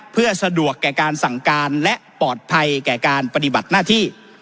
เพื่อสะดวกแก่การสั่งการและปลอดภัยแก่การปฏิบัติหน้าที่